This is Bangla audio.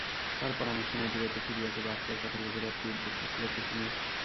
তার পরামর্শে মতিগতি ফিরিয়াছে, বাপকে একথা লিখিবার কী উদ্দেশ্য ছিল কুসুমের?